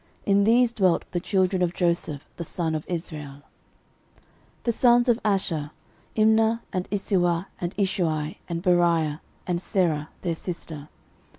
In these dwelt the children of Joseph the son of Israel. 13:007:030 The sons of Asher; Imnah, and Isuah, and Ishuai, and Beriah, and Serah their sister.